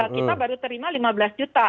kita baru terima lima belas juta